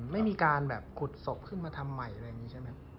ไม่มีการแบบขุดศพขึ้นมาทำใหม่อะไรอย่างนี้ใช่ไหม